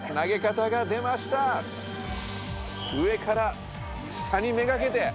上から下に目がけて！